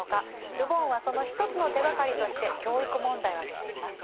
ル・ボンはその一つの手がかりとして教育問題を挙げています。